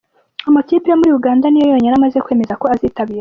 Amakipe yo muri Uganda ni yo yonyine amaze kwemeza ko azitabira.